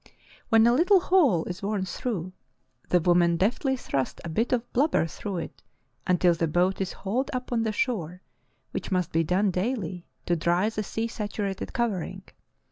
When a little hole is worn through, the women deftly thrust a bit of blubber through it until the boat is hauled up on the shore, which must be done daily to dry the sea saturated covering.